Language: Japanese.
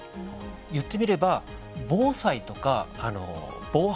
言ってみれば防災とか防犯